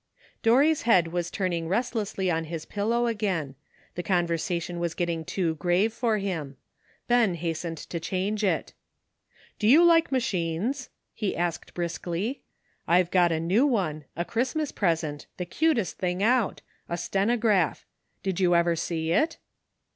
Dorry's head was turning restlessly on his pillow again ; the conversation was getting too grave for him Ben hastened to change it. "Do you like machines?" he asked briskly. *' I've got a new one, a Christmas present, the cutest thing out — a stenograph. Did you ever lieeit?"